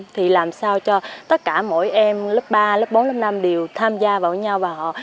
thì làm sao cho tất cả mỗi em lớp ba lớp bốn lớp năm đều tham gia vào nhau và họ